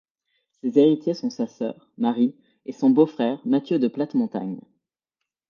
Ses héritiers sont sa sœur Marie et son beau-frère Mathieu de Platemontagne.